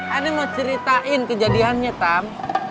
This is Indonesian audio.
ane mau ceritain kejadiannya tam